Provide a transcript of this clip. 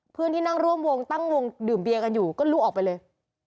เพื่อนที่นั่งร่วมวงตั้งวงดื่มเบียร์กันอยู่ก็ลุกออกไปเลย